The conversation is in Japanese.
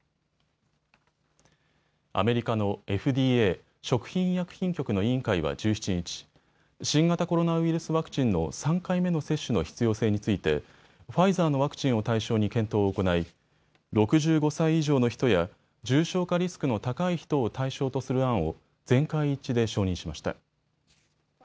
アメリカのＦＤＡ・食品医薬品局の委員会は１７日、新型コロナウイルスワクチンの３回目の接種の必要性についてファイザーのワクチンを対象に検討を行い６５歳以上の人や重症化リスクの高い人を対象とする案を全会一致で承認しました。